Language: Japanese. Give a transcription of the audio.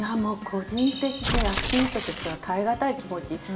個人的にアスリートとしては耐え難い気持ち。